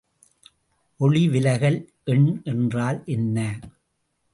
ஒளிவிலகல் எண் என்றால் என்ன?